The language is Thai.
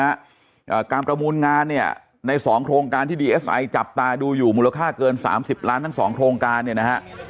อ่าการประมูลงานเนี่ยในสองโครงการที่ดีเอสไอจับตาดูอยู่มูลค่าเกินสามสิบล้านทั้งสองโครงการเนี่ยนะฮะ